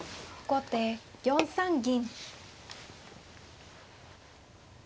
後手４三銀。